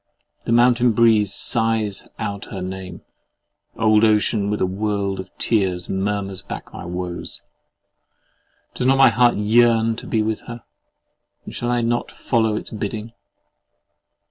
The mountain breeze sighs out her name: old ocean with a world of tears murmurs back my woes! Does not my heart yearn to be with her; and shall I not follow its bidding?